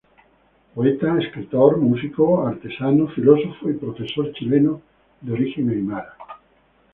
Poeta, escritor, músico, artesano, filósofo y profesor chileno de origen aimara.